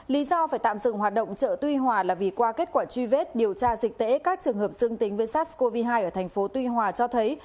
lý do phải tạm dừng hoạt động chợ tuy hòa là vì qua kết quả truy vết điều tra dịch tễ các trường hợp dương tính với sars cov hai ở thành phố tuy hòa cho thấy